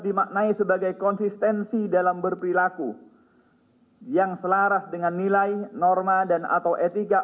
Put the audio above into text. dimaknai sebagai konsistensi dalam berperilaku yang selaras dengan nilai norma dan atau etika